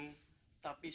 tapi sedikit berhenti